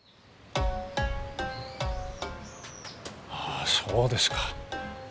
あそうですか。